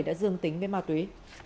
đã dương tính với ma túy